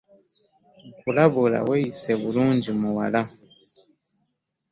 Nkulabula weyise bulungi muwala.